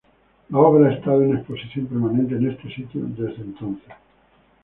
La obra ha estado en exposición permanente en este sitio desde entonces.